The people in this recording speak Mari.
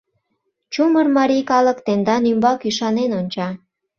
Чумыр марий калык тендан ӱмбак ӱшанен онча.